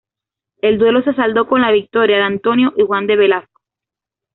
El duelo se saldó con la victoria de Antonio y Juan de Velasco.